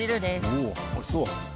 おおおいしそう！